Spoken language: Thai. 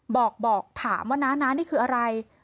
บอกถามว่าน้านี่คืออะไร